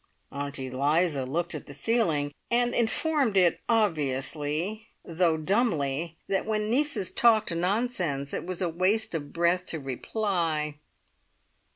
Aunt Eliza looked at the ceiling, and informed it obviously, though dumbly, that when nieces talked nonsense it was waste of breath to reply.